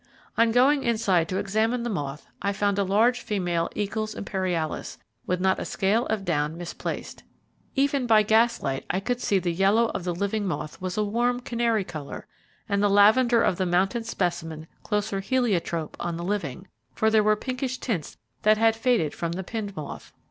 On going inside to examine the moth, I found a large female Eacles Imperialis, with not a scale of down misplaced. Even by gas light I could see that the yellow of the living moth was a warm canary colour, and the lavender of the mounted specimen closer heliotrope on the living, for there were pinkish tints that had faded from the pinned moth.